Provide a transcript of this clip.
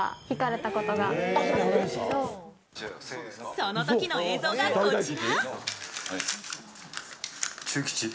そのときの映像がこちら。